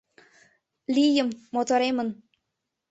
Лийым, моторемын